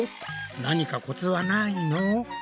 何かコツはないの？